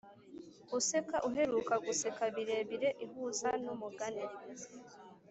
useka uheruka guseka birebire ihuza n'umugani